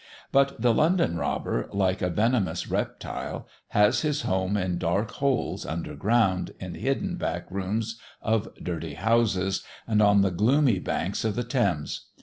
But the London robber, like a venomous reptile, has his home in dark holes under ground, in hidden back rooms of dirty houses, and on the gloomy banks of the Thames.